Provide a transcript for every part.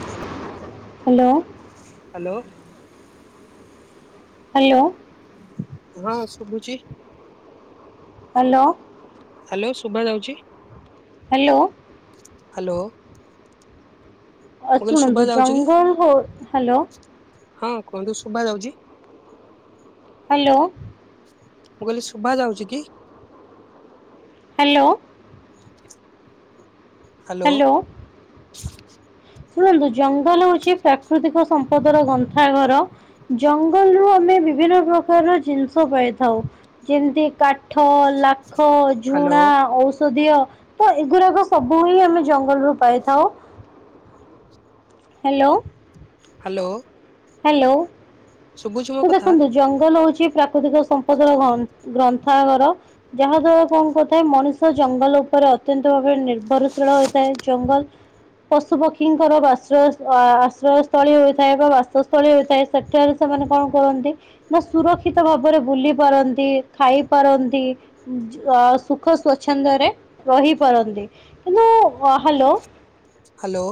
[inaudible] Hello. Hello. Hello. ହଁ ଶୁଭୁଛି। Hello. Hello ଶୁଭା ଯାଉଛି। ହ୍ୟାଲୋ। ହ୍ୟାଲୋ। ଅ ମୁଁ କହିଲି ଶୁଭା ଶୁଣନ୍ତୁ ଯାଉଛି କି ଜଙ୍ଗଲ ହ ହ୍ୟାଲୋ। ହଁ କୁହନ୍ତୁ ଶୁଭ ଯାଉଛି। ହ୍ୟାଲୋ। ମୁଁ କହିଲି ଶୁଭା ଯାଉଛି କି? ହ୍ୟାଲୋ। ହ୍ୟାଲୋ। [inaudible] ଶୁଣନ୍ତୁ ଜଙ୍ଗଲ ହଉଛି ପ୍ରାକୃତିକ ସମ୍ପଦ ର ଗନ୍ଥାଘର। ଜଙ୍ଗଲରୁୁ ଆମେ ବିଭିନ୍ନ ପ୍ରକାରର ଜିନିଷ ପାଇଥାଉ ଯେମିତି କା ଠ ଲାଖ ହ୍ୟାଲୋ ଝୁଣା ଔଷଧିୀୟ ତ ଏଗୁରାକ ସବୁ ବୁ ହିଁ ଆମେ ଜଙ୍ଗଲରୁୁ ପାଇଥାଉ। ହ୍ୟାଲୋ। ହ୍ୟାଲୋ। ହ୍ୟାଲୋ ଶୁଭୁଛି ମୋ ତୋ କଥା ଦେଖନ୍ତୁ ଜଙ୍ଗଲ ହଉଛି ପ୍ର ପ୍ରାକୃତିକ ସମ୍ପଦର ଗ୍ର ଗ୍ରନ୍ଥାଘର। ଯାହା ଦ୍ଵାରା କଣ କରିଥାଏ ମଣିଷ ଜଙ୍ଗଲ ଉପରେ ଅତ୍ୟନ୍ତ ଭାବରେ ନିର୍ଭରଶୀଳ ହୋଇଥାଏ ଜଙ୍ଗଲ ପଶୁ ପକ୍ଷୀଙ୍କର ବାଶ୍ରୟ ଆଶ୍ରୟସ୍ଥଳୀ ହୋଇଥାଏ ବା ବା ପାକସ୍ଥଳୀ ହୋଇଥାଏ ସେଠାରେ ସେମାନେ କଣ କରନ୍ତି? ନା ସୁରକ୍ଷିତ ଭାବରେ ବୁଲି ପାରନ୍ତି ଖାଇ ପାରନ୍ତି। ସୁଖ ସ୍ଵଚ୍ଛନ୍ଦରେ ରହି ପାରନ୍ତି। ଏ ଯୋଉ ହଁ ହ୍ୟାଲୋ। ହ୍ୟାଲୋ।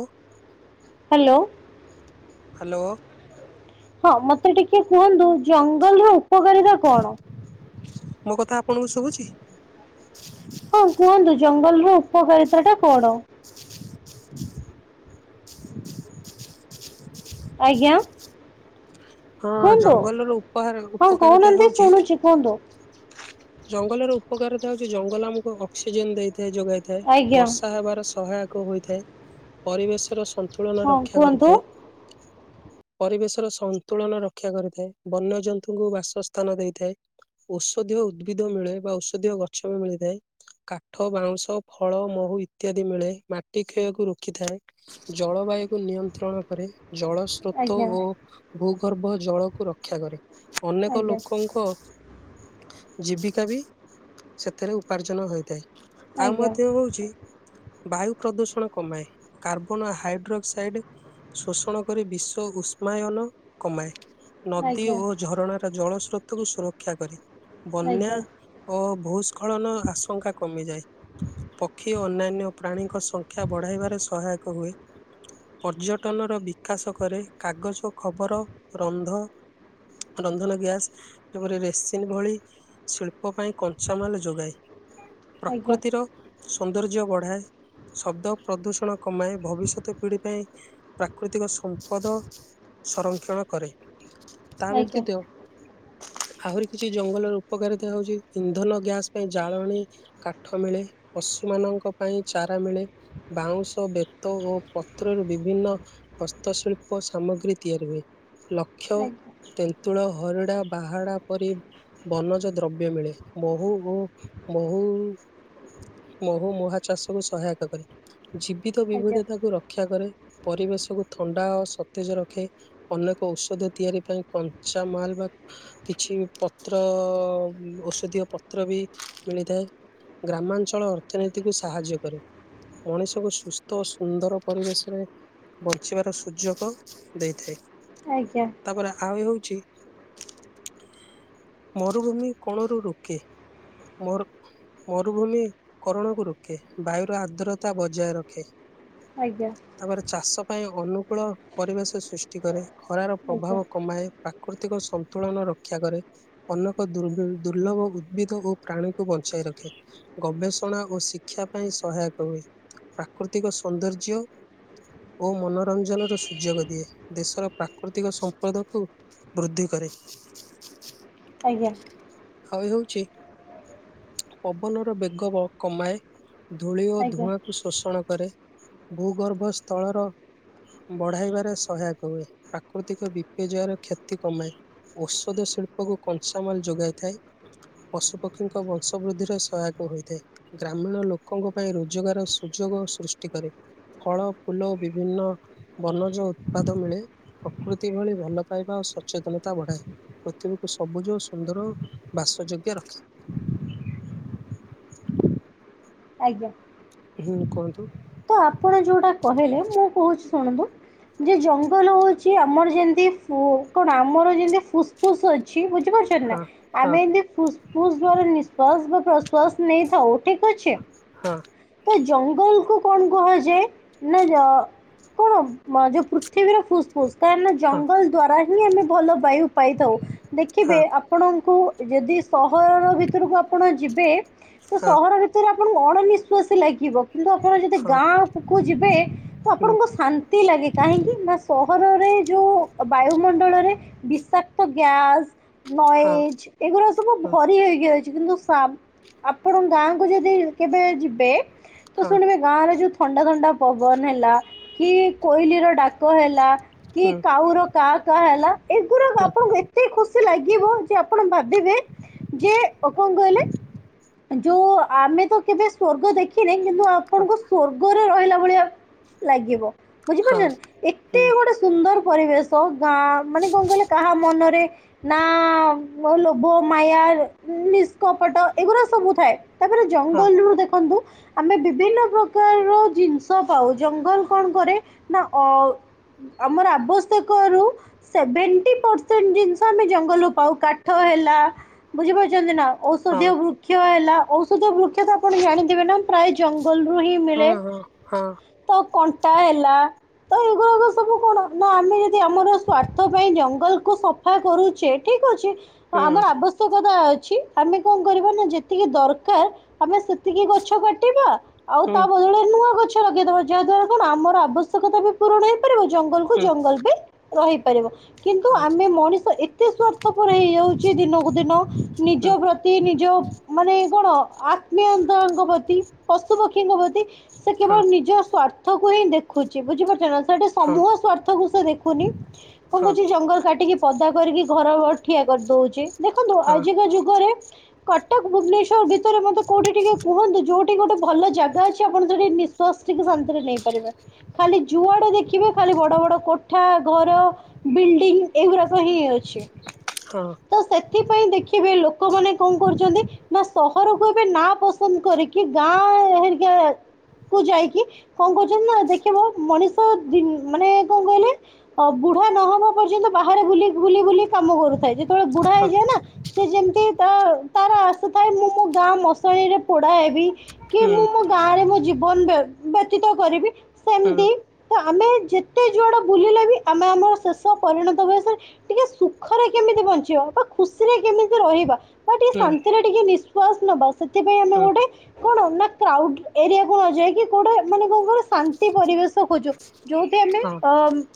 ହ୍ୟାଲୋ। ହ୍ୟାଲୋ। ହଁ ମତେ ଟିକେ କୁହନ୍ତୁ ଜଙ୍ଗଲର ଉପକାରିତା କଣ? ମୋ କଥା ଆପଣଙ୍କୁ ଶୁଭୁଛି। ହଁ କୁହନ୍ତୁ ଜଙ୍ଗଲ ର ଉପକାରିତା ଟା କଣ? ଆଜ୍ଞା। ହଁ କୁହନ୍ତୁ। ଜଙ୍ଗଲର ଉପହାର ହଁ ଉପକାରିତା କହୁନାହାନ୍ତି ହେଉଛି ଶୁଣୁଛି କୁହନ୍ତୁ। ଜଙ୍ଗଲର ଉପକାରିତା ହୋଉଚି ଜଙ୍ଗଲ ଆମକୁ ଅକ୍ସିଜେନ ଦେଇଥାଏ ଯୋଗାଇ। ଥାଏ ଆଜ୍ଞା ବର୍ଷା ହେବାର ସହାୟକ ହୋଇଥାଏ ପରିବେଶର ସଂ ତୁଳନା ହଁ ରକ୍ଷା କୁହନ୍ତୁ। କରିଥାଏ ପରିବେଶର ସଂ ତୁଳନା ରକ୍ଷା କରିଥାଏ ବନ୍ୟଜନ୍ତୁଙ୍କୁ ବାସସ୍ଥାନ ଦେଇଥାଏ। ଔଷଧୀୟ ଉଦ୍ଭିଦ ମିଳେ ବା ଔଷଧୀୟ ଗଛ ବି ମିଳିଥାଏ। କାଠ ବାଉଁଶ ଫଳ ମହୁ ଇତ୍ୟାଦି ମିଳେ ମାଟି କ୍ଷୟକୁ ରୋକିଥାଏ। ଜଳବାୟୁ କୁ ନିୟନ୍ତ୍ରଣ କରେ। ଜଳ ଷ୍ ତତ୍ୱ ଆଜ୍ଞା ଓ ଭୂଗର୍ଭ ଜଳକୁ ରକ୍ଷା କରେ ଅନେକ ଆଜ୍ଞା ଲୋକ ତାଙ୍କ ଜୀବିକା ବି ସେଥିରେ ଉପାର୍ଜନ ହୋଇଥାଏ। ଆଉ ଆଜ୍ଞା ମଧ୍ୟ ହୋଉଛି ବାୟୁ ପ୍ରଦୂଷଣ କମାଏ କାର୍ବନ ହାଇଡ୍ରକ୍ସାଇଡ୍‌। ଶୋଷଣ କରି ବିଶ୍ଵ ଉଷ୍ମାୟନ କମାଏ ନଦୀ ଆଜ୍ଞା ଓ ଝରଣାର ଜଳ ସ୍ରୋତକୁ ସୁରକ୍ଷା କରେ। ବନ୍ୟା ଆଜ୍ଞା ଓ ଭୂସ୍ଖଳନ ଆଶଙ୍କା କମିଯାଏ। ପକ୍ଷୀ ଓ ଅନ୍ୟାନ୍ୟ ପ୍ରାଣୀଙ୍କ ସଂଖ୍ୟା ବଢ଼ାଇବାରେ ସହାୟକ ହୁଏ। ପର୍ଯ୍ୟଟନର ବିକାଶ କରେ କାଗଜ ଖବର ରନ୍ଧ ରନ୍ଧନ ଗ୍ୟାସ୍‌ ଜୋଉପରି ରେସିନ୍‌ ଭଳି ଶିଳ୍ପ ପାଇଁ କଞ୍ଚାମାଲ ଯୋଗାଏ। ଆଜ୍ଞା ପ୍ରକୃତିର ସୌନ୍ଦର୍ଯ୍ୟ ବଢାଏ ଶବ୍ଦ ପ୍ରଦୂଷଣ କମାଏ ଭବିଷ୍ୟତ ପିଢି ପାଇଁ ପ୍ରାକୃତିକ ସମ୍ପଦ ସଂରକ୍ଷଣ କରେ ତା ଆଜ୍ଞା ବ୍ୟତୀତ ଆହୁରି କିଛି ଜଙ୍ଗଲର ଉପକାରିତା ହଉଛି ଇନ୍ଧନ ଗ୍ୟାସ ପାଇଁ ଜାଳଣୀ। କାଠ ମିଳେ ପଶୁ ମାନଙ୍କ ପାଇଁ ଚାରା ମିଳେ। ବାଉଁଶ ବେତ ଓ ପତ୍ରରୁ ବିଭିନ୍ନ ହସ୍ତଶିଳ୍ପ ସାମଗ୍ରୀ ତିଆରି ହୁଏ ଲକ୍ଷ ତେନ୍ତୁଳ ହରିଡ଼ା ବାହାଡା ପରି ବନଜ ଦ୍ରବ୍ୟ ମିଳେ ମୋହୁ ଓ ମୋହୁ ମହୁ ମୁହା ଚାଷକୁ ସହାୟକ କରେ। ଜୀବିତ ଆଜ୍ଞା ଆଜ୍ଞା ବିବିଧତାକୁ ରକ୍ଷା କରେ ପରିବେଶକୁ ଥଣ୍ଡା ଓ ସତେଜ ରଖେ। ଅନେକ ଔଷଧ ତିଆରି ପାଇଁ କଞ୍ଚା ମାଲ୍ ବା କିଛି ପତ୍ର ଔଷଧୀୟ ପତ୍ର ବି ମିଳିଥାଏ। ଗ୍ରାମାଞ୍ଚଳ ଅର୍ଥନୀତିକୁ ସାହାଯ୍ୟ କରେ। ମଣିଷକୁ ସୁସ୍ଥ ଓ ସୁନ୍ଦର ପରିବେଶରେ ବଞ୍ଚିବାର ସୁଯୋଗ ଦେଇଥାଏ ଆଜ୍ଞା। ତାପରେ ଆଉ ହଉଛି ମରୁଭୂମି କୋଣରୁ ରୋକେ। ମୋର ମରୁଭୂମି କରଣକୁ ରୋକେ ବାୟୁର ଆର୍ଦ୍ରତା ବଜାୟ ରଖେ। ଆଜ୍ଞା। ତାପରେ ଚାଷ ପାଇଁ ଅନୁକୂଳ ପରିବେଶ ସୃଷ୍ଟି କରେ ଖରାର ପ୍ରଭାବ ଆଜ୍ଞା କମାଏ। ପ୍ରାକୃତିକ ସନ୍ତୁଳନ ରକ୍ଷା କରେ। ଅନେକ ଦୁର୍ ଦୁର୍ଲଭ ଉଦ୍ଭିଦ ଓ ପ୍ରାଣୀକୁ ବଞ୍ଚାଇ ରଖେ। ଗବେଷଣା ଓ ଶିକ୍ଷା ପାଇଁ ସହାୟକ ହୁଏ ପ୍ରାକୃତିକ ସୌନ୍ଦର୍ଯ୍ୟ ଓ ମନୋରଞ୍ଜନର ସୁଯୋଗ ଦିଏ। ଦେଶର ପ୍ରାକୃତିକ ସମ୍ପଦକୁ ବୃଦ୍ଧି କରେ। ଆଜ୍ଞା। ଆଉ ହଉଛି ପବନର ବେଗ କମାଏ। ଧୂଳି ଓ ଆଜ୍ଞା ଧୂଆଁକୁ ଶୋଷଣ କରେ ଭୂଗର୍ଭ ସ୍ଥଳର ବଢାଇବାରେ ସହାୟକ କୁଏ ପ୍ରାକୃତିକ ବିପର୍ଯ୍ୟୟର କ୍ଷତି କମାଏ। ଔଷଧ ଶିଳ୍ପକୁ କଂସାମାଲ ଯୋଗାଇଥାଏ। ପଶୁପକ୍ଷୀଙ୍କ ବଂଶ ବୃଦ୍ଧିରେ ସହାୟକ ହୋଇଥାଏ। ଗ୍ରାମୀଣ ଲୋକଙ୍କ ପାଇଁ ରୋଜଗାର ସୁଯୋଗ ସୃଷ୍ଟି କରେ। ଫଳ ଫୁଲ ଓ ବିଭିନ୍ନ ବନଜ ଉତ୍ପାଦ ମିଳେ। ପ୍ରକୃତି ଭଳି ଭଲ ପାଇବା ଆଉ ସଚେତନତା ବଢାଏ। ପୃଥିବୀକୁ ସବୁଜ ସୁନ୍ଦର ବାସ ଯୋଗ୍ୟ ରଖି। ଆଜ୍ଞା। ହୁଁ କୁହନ୍ତୁ। ତ ଆପଣ ଯୋଉଟା କହିଲେ ମୁଁ କହୁଛି ଶୁଣନ୍ତୁ। ଯେ ଜଙ୍ଗଲ ହଉଛି ଆମର ଯେମିତି କଣ ଆମର ଯେମିତି ଫୁସଫୁସ୍ ଅଛି। କି ବୁଝିପାରୁଛଛନ୍ତି ନା? ହଁ। ହଁ ଆମେ ଏମତି ଫୁସ୍ ଫୁସ୍ଵ ନିଶ୍ଵାସ ବା ପ୍ରଶ୍ଵାସ ନେଇଥାଉ ଠିକ ଅଛି। ହଁ। ତ ଜଙ୍ଗଲକୁ କଣ କୁହଛେ ନା କଣ ଯୋଉ ପୃଥିବୀରେ ଫୁସ କା ହଁ ଜଙ୍ଗଲ ଦ୍ଵାରା ହିଁ ଆମେ ଭଲ ବାୟୁ ପାଇଥାଉ ଦେଖିବେ ହଁ ଆ ଆପଣଙ୍କୁ ଯଦି ସହର ଭିତରକୁ ଆପଣ ଯିବେ ତ ହଁ ସହର ଭିତ ରେ ଆପଣଙ୍କୁ ଅଣନିଶ୍ଵାସ ଲାଗିବ କିନ୍ତୁ ଆପଣ ଯଦି ହଁ ଗାଁଖ ଯିବେ ତ ହୁଁ ଆପଣଙ୍କ ଶା ଲାଗି କାହିଁକି ନା ସହରରେ ଯୋଉ ବାୟୁମଣ୍ଡଳରେ ବିଷାକ୍ତ ଗ୍ୟାସ ହଁ ନଏଜ ଏଗୁା ସବୁ ହଁ ଭରି ହୋଇଗଛି କିନ୍ତୁ ସ ଆପଣ ଗାଁକୁ ଯଦି କେବେ ଯିବେ [unintelligible] ତ ଶୁଣିବେ ଗାଁରେ ଯୋଉ ଥଣ୍ଡା ଥଣ୍ଡା ପବନ ହେଲା କି କୋଇଲି ର ଡା ହେଲା କି ହୁଁ କାଉର କାହା କାହା ହେଲା ଏଗୁଡା ହୁଁ ଆପଣ ଏତେ ଏତେ ଖୁସି ଲାଗିବ ଯେ ଆପଣ ଭାବିବେ ଯେ କଣ କହିଲେ? ଯୋଉ ଆମେ ତ କେବେ ସ୍ଵର୍ଗ ଦେଖିନେ କିନ୍ତୁ ହଁ ଆପଣଙ୍କୁ ସ୍ଵର୍ଗରେ ରହିଲା ଭଳିଆ ଲାଗିବ ବୁଝିପାରୁଛ ହଁ ଏତେ ହୁଁ। ଗୋଟେ ସୁନ୍ଦର ପରିବେଶ ଗାଁ ମାନେ କଣ କହିଲେ କାହା ମନରେ ନା ଲୋଭ ମାୟା ନିସ୍କପଟ ଏଗୁଡା ସବୁ ଥାଏ। ତାପରେ ହଁ ଜଙ୍ଗଲରୁୁ ଦେଖନ୍ତୁ ଆମେ ବି ବିଭିନ୍ନ ପ୍ରକାରର ଜିନିଷ ପାଉ ଜଙ୍ଗଲ କଣ କରେ ନା ଅ ଆମର ଆବଶ୍ୟକ ରୁ ସେଭେଣ୍ଟି ପର୍ସେଣ୍ଟ ଜିନିଷ ଆମେ ଜଙ୍ଗଲରୁୁ ପାଉ କାଠ ହେଲା ବୁଝିପାରୁଛନ୍ତି ନା। ହଁ ଔଷଧୀୟ ବୃକ୍ଷ ହେଲା ଔଷଧୀୟ ବୃକ୍ଷ ତ ଆପଣ ଜାଣିଥିବେ ନା ପ୍ରାୟ ଜଙ୍ଗଲରୁୁ ହିଁ ମିଳେ ହଁ ହଁ ହଁ ତ କଣ୍ଟା ହେଲା। ତ ଏଗୁାଡ଼ାକ ସବୁ କଣ ନା ଆମେ ଯଦି ଆମର ସ୍ଵାର୍ଥ ପାଇଁ ଜଙ୍ଗଲକୁ ସଫ ସଫା କରୁଚେ ଠିକ୍ ଅଛି। ହୁଁ ଆମର ଆବଶ୍ୟକତା ଅଛି ଆମେ କଣ କରିବା ନା ଯେତିକି ଦରକାର ତମେ ସେତିକି ଗଛ କା ଆଉ ହୁଁ ତା ବଦଳରେ ନୂଆ ଗଛ ଲଗେଇଦବା ଯାହା ଦ୍ଵାରା କଣ ଆମର ଆବଶ୍ୟକତା ବି ପୂରଣ ହେଇ ପାରିବ ଜଙ୍ଗଲକୁୁ ହୁଁ ଜଙ୍ଗଲ ବି ରହିପାରିବ। କିନ୍ତୁ ହଁ ଆମେ ମଣିଷ ଏତେ ସ୍ଵାର୍ଥପର ହେଇଯାଉଚେ ଦିନକୁ ଦିନ ହୁଁ ନିଜ ପ୍ରତି ନିଜ ମାନେ କଣ ଆତ୍ମୀୟତାଙ୍କ ପ୍ରତି ପଶୁପକ୍ଷୀଙ୍କ ପ୍ରତି ସେ କେବଳ ହଁ ନିଜ ସ୍ଵାର୍ଥ କୁ ହିଁ ଦେଖୁଛି ବୁଝିପାରୁଛ ନା। ସେଟା ହଁ ସମୂହ ସ୍ୱାର୍ଥ କୁ ସେ ଦେଖୁନି କଣ ହଁ କହୁଛି ଜଙ୍ଗଲ କାଟିକି ପଦା କରିକି ଘର ଠିଆ କରିଦଉଛି ଦେଖନ୍ତୁ ହଁ ଆଜିକା ଯୁଗରେ କଟକ ଭୁବନେଶ୍ଵର ଭିତରେ ମତେ କୋଉଠି ଟିକେ କୁହନ୍ତୁ ଯୋଉଠି ଗୋଟେ ଭଲ ଜାଗା ଅଛି ଆପଣ ନିଃଶ୍ବାସ ଟିକେ ଶାନ୍ତିରେ ନେଇପାରିବେ। ଖାଲି ଯୁଆଡ଼େ ଦେଖିବେ ଖାଲି ବଡ଼ ବଡ଼ କୋଠା ଘର ବିଲ୍ଡିଂ ଏଗୁଡାକ ହିଁ ଅଛି। ହଁ। ତ ସେଥିପାଇଁ ଦେଖିବେ ଲୋକମାନେ କଣ କରୁଛନ୍ତି ନା ସହରକୁ ଏବେ ନା ପସନ୍ଦ କରି କି ଗାଁ ହେରିକା କୁ ଯାଇକି କଣ କରୁଛନ୍ତି ନା ଦେଖିବ ମଣିଷ ମାନେ କଣ କହିଲେ ଅ ବୁଢା ନହବା ପର୍ଯ୍ୟନ୍ତ ବାହାରେ ବୁଲି ବୁଲି କାମ କରୁଥାଏ ଯେତେବେଳେ ବୁଢା ହଁ ହେଇଯାଏ ନା ସେ ଯେମିତି ତାର ଆସି ଥାଏ ମୁଁ ମୋ ଗାଁ ମଶଣିରେ ପୋଡା ହେବି। କି ହୁଁ ମୁଁ ମୋ ଗାଁ ରେ ମୋ ଜୀବନ ବ୍ୟତୀତ କରିବି। ହୁଁ। ସେମିତି ତ ଆମେ ଯେତେ ଯୁଆଡେ ବୁଲିଲେ ବି ଆମେ ଆମର ଶେଷ ପରିଣତ ବୟସରେ ଟିକେ ସୁଖରେ କେମିତି ବଞ୍ଚିବା ବା ଖୁସିରେ କେମିତି ରହିବା। ବା ଟିକେ ହୁଁ ଶାନ୍ତିରେ ଟିକେ ନିଶ୍ୱାସ ନବା ସେଥିପାଇଁ ଆମେ ହୁଁ ଗୋଟେ କଣ ନା କ୍ରାଉଡ୍ ଏରିଆ କୁହାଯାଏ କି କୋଉଟା ମାନେ କଣ କର ଶାନ୍ତି ପରିବେଶ ଖୋଜୁ ଯୋଉଠି ଆମେ ହଁ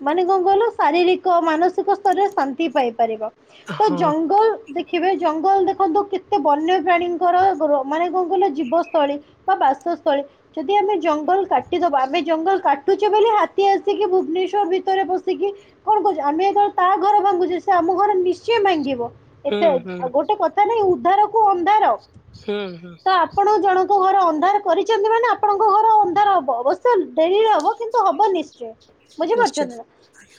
ମାନେ କଣ କହିଲ ଶାରୀରିକ ମାନସିକ ସ୍ତରରେ ଶାନ୍ତି ପାଇପାରିବା ତ ହଁ ଜଙ୍ଗଲ ଦେଖିବେ ଜଙ୍ଗଲ ଦେଖନ୍ତୁ କେତେ ବନ୍ୟପ୍ରାଣୀଙ୍କର ମାନେ କଣ କହିଲ ଜୀବ ବା ବାସସ୍ଥଳୀ। ଯଦି ଆମେ ଜଙ୍ଗଲ କାଟିଦବା ଆମେ ଜଙ୍ଗଲ କାଟୁଛେ ବୋଲି ହାତୀ ଆସିକି ଭୁବନେଶ୍ଵର ଭିତରେ ପଶିକି। କଣ କହୁଚ ଆମେ ଯେତେବେଳେ ତା ଘର ଭାଙ୍ଗୁଛେ ସେ ଆମ ଘର ନିଶ୍ଚୟ ଭାଙ୍ଗିବ। ହୁଁ ଏତେ ହୁଁ ଗୋଟେ କଥା ନାଇଁ ଉଦ୍ଧାର କୁ ଅନ୍ଧାର। ହୁଁ ହୁଁ। ତ ଆପଣ ଜଣ ଅନ୍ଧାର କରିଛନ୍ତି ମାନେ ଆପଣଙ୍କ ଘର ଅନ୍ଧାର ହବ ଅବଶ୍ୟ ଡେରିରେ ହବ କିନ୍ତୁ ହବ ନିଶ ନିଶ୍ଚିତ ବଝିପାରୁଛନ୍ତି ନା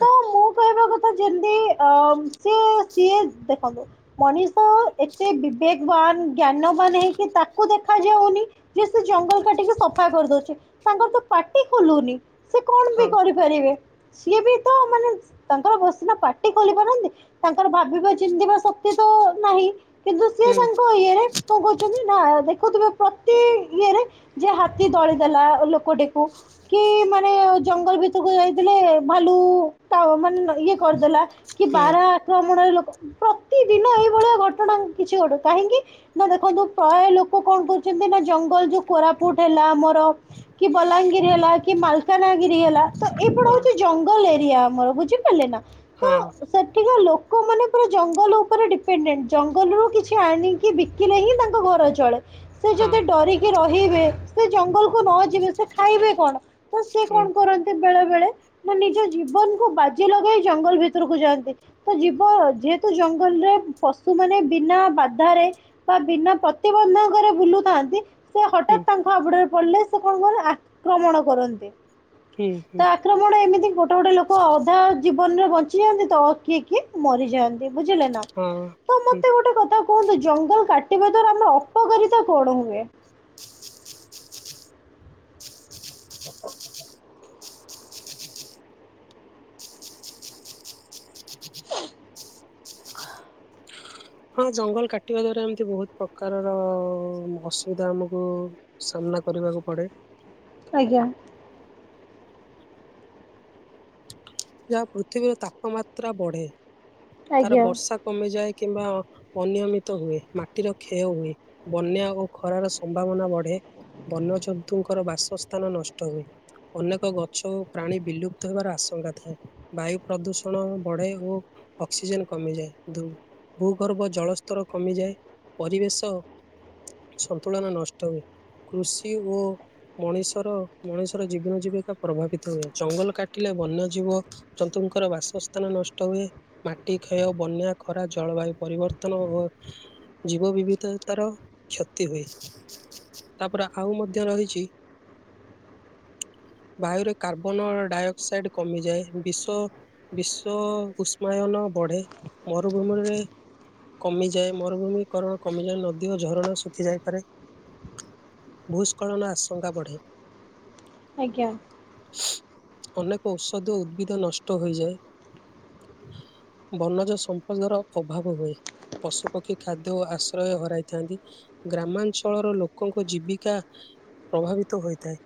ତ ମୁଁ କହିବା କଥା ଯେମତି ଅମ୍ ସି- ସିଏ ଦେଖନ୍ତୁ ମଣିଷ ଏତେ ବିବେକବାନ୍ ଜ୍ଞାନବାନ୍ ହେଇକି ତାକୁ ଦେଖା ଯାଉନି। ହେ ସେ ଜଙ୍ଗଲ କାଟିକି ସଫା କରି ଦଉଛି, ତାଙ୍କର ତ ପାଟି ଖୋଲୁନି, ସିଏ କଣ ବି ହଁ କରି ଫେରିବେ, ସିଏ ବି ତ ମାନେ ତାଙ୍କର ବ-ସିନା ପାଟି ଖୋଲି ପାରନ୍ତି। ତାଙ୍କର ଭାବିବା ଚିନ୍ତିବା ଶକ୍ତି ତ ନାହିଁ। କିନ୍ତୁ ସିଏ ହୁଁ ତାଙ୍କ ଇଏରେ କଣ କହୁଚନ୍ତି ନା ଦେଖୁଥିବେ ପ୍ର ଇଏରେ ଯେ ହାତୀ ଦଳିଦେଲା ଲୋକଟିକୁ, କି ମାନେ ଜଙ୍ଗଲ ଭିତରକୁ ଯାଇଥିଲେ ଭାଲୁ ତାଅ ମାନେ ଇଏ କରିଦେଲା, କି ହୁଁ ବାରାହା ଭ୍ରମଣରେ ଲୋକ ପ୍ରତିଦିନ ଏଇଭଳିଆ ଘଟଣା କିଛି ଘଟେ, କାହିଁକି? ନା ଦେଖନ୍ତୁ ପ୍ରାଏ ଲୋକ କଣ କରୁଛନ୍ତି ନା ଜଙ୍ଗଲ ଯୋଉ କୋରାପୁଟ ହେଲା ଆମର କି ବଲାଙ୍ଗିର ହେଲା କି ମାଲକାନାଗିରି ହେଲା ତ ଏଇପଡୃ ହଁ ହଉଛି ଜଙ୍ଗ ଗଲ ଏରିଆ ଆମର, ବୁଝିପାରିଲେ ନା? ତ ହଁ। ସେଠିକା ଲୋକମାନେ ପୁରା ଜଙ୍ଗଲ ଉପରେ ଡିପେଣ୍ଡଡେଣ୍ଟ ଜଙ୍ଗଲରୁ କିଛି ଆଣିକି ବି କିଲେ ହିଁ ତାଙ୍କ ଘର ଚଳେ। ସେ ହଁ ଯଦି ଡରିକି ରହିବେ ସେ ଜଙ୍ଗଲକୁ ନ ଯିବେ ସେ ଖାଇବେ କଣ? ତ ସେ ହୁଁ କଣ କରନ୍ତି ବେଳେ ବେଳେ ମୋ ନିଜ ଜୀବନକୁ ବାଜି ଲଗେଇ ଜଙ୍ଗଲ ଭିତରକୁ ଯାଆନ୍ତି। ତ ଯିବ ଯେହେତୁ ଜଙ୍ଗଲର ପଶୁ ମାନେ ବିନା ବାଧାରେ ବା ବିନା ପ୍ରତିବନ୍ଧକର ବୁଲୁଥାନ୍ତି, ସେ ହୁଁ ହଠାତ୍ ତାଙ୍କ ହାବୁଡରେ ପଡିଲେ ସେ କଣ କହିଲ ଆକ୍ରମଣ କରନ୍ତି। ଠିକ୍, ତ ଠିକ୍। ଆକ୍ରମଣ ଏମିତି ଗୋଟେ ଗୋଟେ ଲୋକ ଅଧା ଜୀବନରେ ବଞ୍ଚିଯାଆନ୍ତି ତ, ଆଉ କିଏ କିଏ ମରିଯାଆନ୍ ତି ବୁଝିଲ ନା? ହଁ ତ ହୁଁ ମୋତେ ଗୋଟେ କଥା କୁହନ୍ତୁ ଜଙ୍ଗଲ କାଟିବା ଦ୍ଵାରା ଆମର ଅପକାରି ତା କଣ ହୁଏ? ହଁ ଜଙ୍ଗଲ କାଟିବା ଦ୍ଵାରା ଏମିତି ବହୁତ ପ୍ରକାରର ଅସୁବିଧା ଆମକୁ ସାମ୍ନା କରିବାକୁ ପଡେ। ଆଜ୍ଞା। ଯାହା ପୃଥିବୀର ତାପମାତ୍ରା ବଢେ ତାର ଆଜ୍ଞା ବର୍ଷା କମିଯାଏ କିମ୍ବା ଅନିୟମିତ ହୁଏ, ମାଟିର କ୍ଷୟ ହୁଏ। ବନ୍ୟା ଓ ଖରାର ସମ୍ଭାବନା ବଢେ, ବନ୍ୟଜନ୍ତୁଙ୍କର ବାସସ୍ଥାନ ନଷ୍ଟ ହୁଏ। ଅନେକ ଗଛ ଓ ପ୍ରାଣୀ ବିଲୁପ୍ତ ହେବାର ଆଶଙ୍କା ଥାଏ, ବାୟୁ ପ୍ରଦୂଷଣ ବଢେ ଓ ଅକ୍ସିଜେନ୍ କମିଯାଏ ଧୁମ୍। ଭୂଗର୍ଭ ଜଳସ୍ତର କମିଯାଏ, ପରିବେଶ ସନ୍ତୁଳନ ନଷ୍ଟ ହୁଏ, କୃଷି ଓ ମଣିଷର ମଣିଷର ଜୀବନ ଜୀବିକା ପ୍ରଭାବିତ ହୁଏ। ଜଙ୍ଗଲ କାଟିଲେ ବନ୍ୟ ଜୀବ ଜନ୍ତୁଙ୍କର ବାସସ୍ଥାନ ନଷ୍ଟ ହୁଏ। ମାଟି କ୍ଷୟ ବନ୍ୟା ଖରା ଜଳବାୟୁ ପରିବର୍ତ୍ତନ, ଓ ଜୀବ ବିବିଧତାର କ୍ଷତି ହୁଏ। ତାପରେ ଆଉ ମଧ୍ୟ ରହିଚି ବାୟୁରେ କାର୍ବନ ଡାଇଅକ୍ସାଇଡ୍ କମିଯାଏ। ବିଶ୍ୱ ବିଶ୍ଵ ଉଷ୍ମାୟନ ବଢେ, ମରୁଭୂମିରେ କମିଯାଏ, ମରୁଭୂମିକରଣ କମିଯାଏ, ନଦୀ ଓ ଝରଣା ଶୁଖି ଯାଇପାରେ। ଭୂସ୍ଖଳନ ଆଶଙ୍କା ବଢ଼େ। ଆଜ୍ଞା। ଅନେକ ଔଷଧ ଓ ଉଦ୍ଭିଦ ନଷ୍ଟ ହୋଇଯାଏ। ବନଜ ସମ୍ପଦ ର ଅଭାବ ହୁଏ। ପଶୁପକ୍ଷୀ ଖାଦ୍ୟ ଓ ଆଶ୍ରୟ ହରାଇଥାନ୍ତି। ଗ୍ରାମାଞ୍ଚଳର ଲୋକଙ୍କ ଜୀବିକା ପ୍ରଭାବିତ ହୋଇଥାଏ।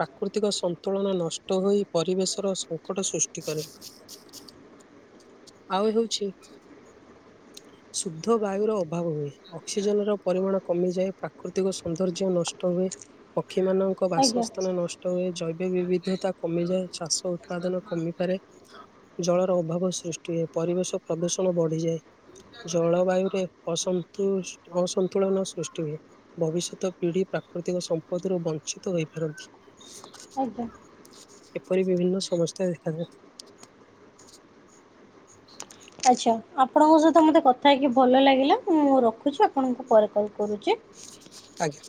ପ୍ରାକୃତିକ ସନ୍ତୁଳନ ନଷ୍ଟ୍ ତୋ ହୋଇ ପରିବେଶର ସଙ୍କଟ ସୃଷ୍ଟି କରେ। ଆଉ ହେଉଛି [inaudible] ଶୁଦ୍ଧ ବାୟୁର ଅଭାବ ହୁଏ ଅକ୍ସିଜେନ ର ପରିମାଣ କମିଯାଏ ପ୍ରାକୃତିକ ସୌନ୍ଦର୍ଯ୍ୟ ନଷ୍ଟ ହୁଏ। ପକ୍ଷୀମାନଙ୍କ ଆଜ୍ଞା ବାସସ୍ଥାନ ନଷ୍ଟ ହୁଏ ଜୈବ ବିବିଧତା କମିଯାଏ ଚାଷ ଉତ୍ପାଦନ କମିପାରେ। ଜଳର ଅଭାବ ସୃଷ୍ଟି ହୁଏ ପରିବେଶ ପ୍ରଦୂଷଣ ବଢିଯାଏ। ଜଳବାୟୁ ରେ ଅସନ୍ତୁ ଅସନ୍ତୁଳନ ସୃଷ୍ଟି ହୁଏ। ଭବିଷ୍ୟତ ପିଢ଼ି ପ୍ରାକୃତିକ ସମ୍ପଦରୁ ବଂଞ୍ଚିତ ହୋଇପାରନ୍ତି। ଆଜ୍ଞା। ଏପରି ବିଭିନ୍ନ ସମସ୍ୟା ଦେଖାଯାଏ। ଆଚ୍ଛା ଆପଣଙ୍କ ସହିତ ମୋତେ କଥା ହେଇକି ଭଲ ଲାଗିଲା ମୁଁ ରଖୁଛି ଆପଣଙ୍କୁ ପରେ କଲ୍ କରୁଛି। ଆଜ୍ଞା।